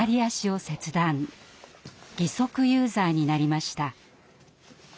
義足ユーザーになりました。